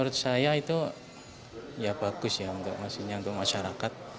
menurut saya itu ya bagus ya maksudnya untuk masyarakat